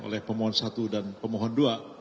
oleh permohon satu dan permohon dua